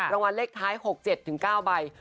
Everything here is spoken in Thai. รางวัลเลขท้าย๖๗๙ใบ